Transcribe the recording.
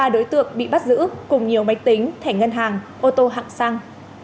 hai mươi ba đối tượng bị bắt giữ cùng nhiều máy tính thẻ ngân hàng ô tô hạng xăng